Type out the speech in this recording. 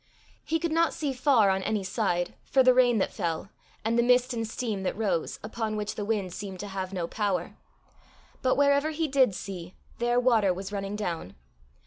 He could not see far on any side, for the rain that fell, and the mist and steam that rose, upon which the wind seemed to have no power; but wherever he did see, there water was running down.